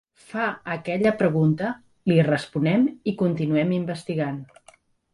Fa aquella pregunta, li responem i continuem investigant.